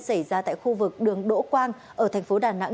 xảy ra tại khu vực đường đỗ quang ở thành phố đà nẵng